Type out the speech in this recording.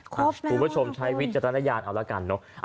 คุณผู้ชมใช้วิจารณญาณเอาละกันเนอะ